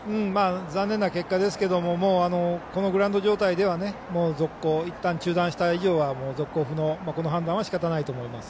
残念な結果ですけどこのグラウンド状態では続行、いったん中断した以上はこの判断はしかたがないと思います。